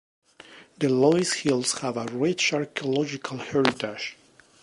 The Loess Hills have a rich archaeological heritage.